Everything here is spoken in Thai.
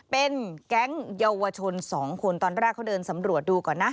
เป็นแก๊งเยาวชน๒คนตอนแรกเขาเดินสำรวจดูก่อนนะ